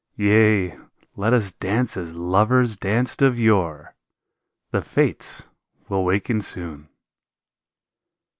Yea, let us dance as lovers danced of yore — The fates will waken soon!